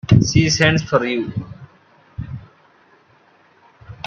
She sends for you.